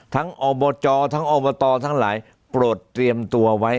อบจทั้งอบตทั้งหลายโปรดเตรียมตัวไว้